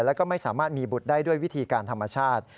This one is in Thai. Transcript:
แล้วก็ไม่สามารถมีบุตรได้ด้วยวิธีการธรรมชาติ